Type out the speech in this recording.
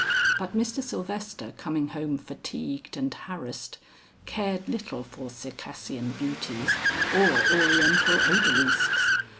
But Mr. Sylvester coming home fatigued and harassed, cared little for Circassian beauties or Oriental odalisques.